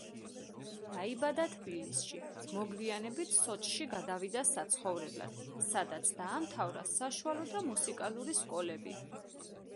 დაიბადა თბილისში, მოგვიანებით სოჭში გადავიდა საცხოვრებლად, სადაც დაამთავრა საშუალო და მუსიკალური სკოლები.